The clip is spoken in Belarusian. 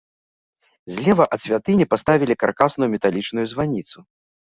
Злева ад святыні паставілі каркасную металічную званіцу.